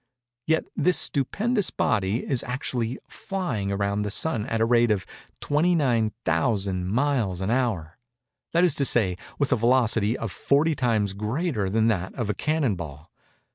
Yet this stupendous body is actually flying around the Sun at the rate of 29,000 miles an hour—that is to say, with a velocity 40 times greater than that of a cannon ball!